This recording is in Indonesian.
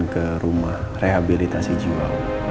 ke rumah rehabilitasi jiwa